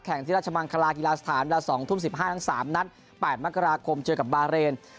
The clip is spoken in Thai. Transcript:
ที่ราชมังคลากีฬาสถานเวลา๒ทุ่ม๑๕ทั้ง๓นัด๘มกราคมเจอกับบาเรน